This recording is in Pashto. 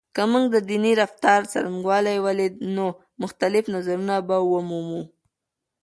که موږ د دیني رفتار څرنګوالی ولیدو، نو مختلف نظرونه به ومومو.